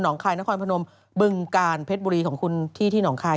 คลายนครพนมบึงกาลเพชรบุรีของคุณที่หนองคาย